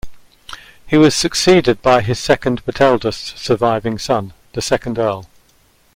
He was succeeded by his second but eldest surviving son, the second Earl.